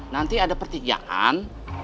nanti ada pertigaan